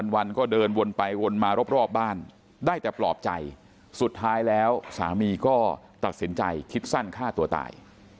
วันก็เดินวนไปวนมารอบบ้านได้แต่ปลอบใจสุดท้ายแล้วสามีก็ตัดสินใจคิดสั้นฆ่าตัวตาย